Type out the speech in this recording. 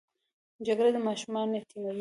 جګړه ماشومان یتیموي